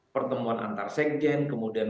pertemuan antar segen kemudian